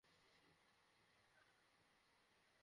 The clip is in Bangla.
আর সে বদলা হবে অত্যন্ত ভয়ঙ্কর।